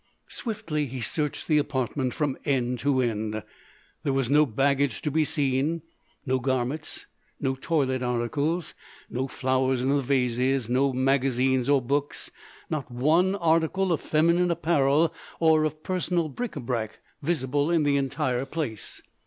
Swiftly he searched the apartment from end to end. There was no baggage to be seen, no garments, no toilet articles, no flowers in the vases, no magazines or books, not one article of feminine apparel or of personal bric a brac visible in the entire place.